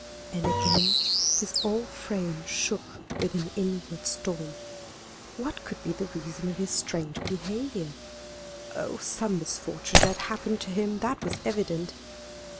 and again his whole frame shook with an inward storm. What could be the reason of his strange behavior? Oh, some misfortune had happened to him that was evident!